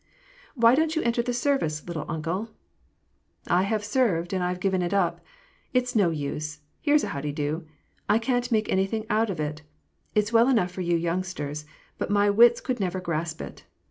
"Why don't you enter the service, * little uncle' ?"" I have served and I Ve given it up. It is no use — here's a how de do !— I can't make anything out of it. It's well enough for you youngsters, but my wits could never grasp it.